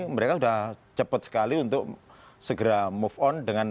mereka sudah cepat sekali untuk segera move on